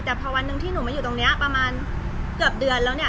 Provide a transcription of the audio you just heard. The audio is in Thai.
แต่พอวันหนึ่งที่หนูมาอยู่ตรงนี้ประมาณเกือบเดือนแล้วเนี่ย